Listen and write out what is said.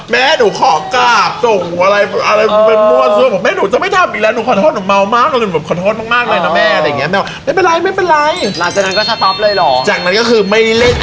แม่หนูขอขับส่งอะไรรสมือหนูจะไม่ทำอีกแล้วหนูขอโทษหนูเม้ามากหนูอยากจะห่วงคือแม่